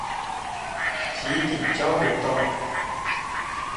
堤頂交流道